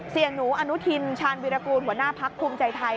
เสียหนูอนุทินชาญวิรากูลหัวหน้าพักภูมิใจไทย